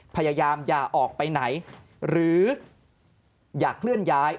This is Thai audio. พยายามอย่าออกไปไหนหรืออย่าเคลื่อนย้าย